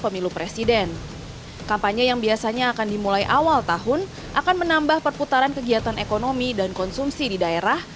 menambah perputaran kegiatan ekonomi dan konsumsi di daerah